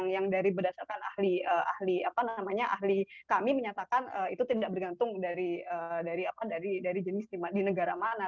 yang berdasarkan ahli kami menyatakan itu tidak bergantung dari jenis di negara mana